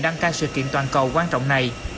đăng ca sự kiện toàn cầu quan trọng này